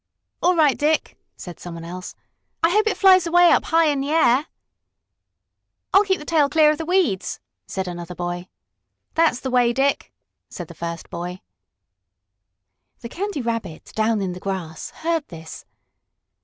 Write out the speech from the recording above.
"All right, Dick," said some one else. "I hope it flies away up high in the air." "I'll keep the tail clear of the weeds," said another boy. "That's the way, Dick," said the first boy. The Candy Rabbit, down in the grass, heard this.